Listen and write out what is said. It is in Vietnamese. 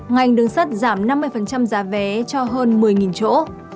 hai ngành đứng sắt giảm năm mươi giá vé cho hơn một mươi chỗ